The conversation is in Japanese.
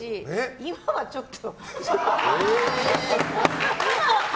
今はちょっと。